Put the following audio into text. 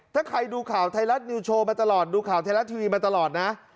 ถ้าใครดูข่าวไทยรัฐนิวโชว์มาตลอดดูข่าวไทยรัฐทีวีมาตลอดนะ